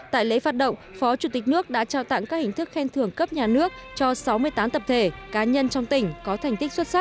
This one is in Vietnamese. tại lễ phát động phó chủ tịch nước đã trao tặng các hình thức khen thưởng cấp nhà nước cho sáu mươi tám tập thể cá nhân trong tỉnh có thành tích xuất sắc